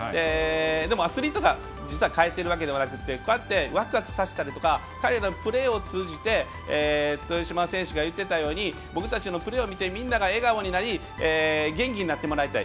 でもアスリートが実は変えてるわけじゃなくてこうやってワクワクさせたりとか彼らのプレーを通じて豊島選手が言っていたように僕たちのプレーを見てみんなが笑顔になり元気になってもらいたい。